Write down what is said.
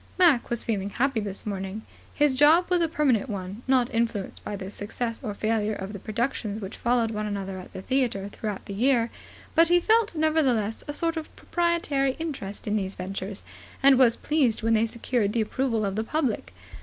Mac was feeling happy this morning. His job was a permanent one, not influenced by the success or failure of the productions which followed one another at the theatre throughout the year; but he felt, nevertheless, a sort of proprietary interest in these ventures, and was pleased when they secured the approval of the public.